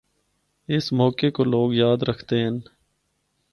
اس موقعہ کو لوگ یاد رکھدے ہن۔